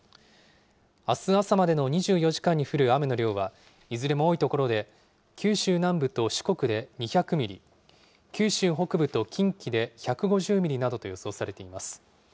あす朝までの２４時間に降る雨の量は、いずれも多い所で、九州南部と四国で２００ミリ、九州北部と近畿で１５０ミリなどと予想されています。